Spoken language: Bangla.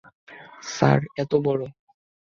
স্যার, এতো বড়?